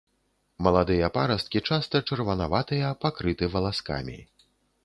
Маладыя парасткі часта чырванаватыя, пакрыты валаскамі.